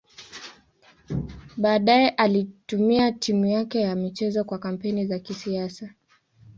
Baadaye alitumia timu yake ya michezo kwa kampeni za kisiasa.